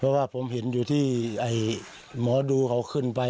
เพราะว่าผมเห็นอยู่ที่หมอดูเขาขึ้นไป